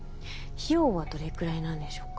費用はどれくらいなんでしょうか？